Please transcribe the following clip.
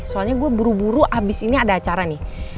soalnya gue buru buru abis ini ada acara nih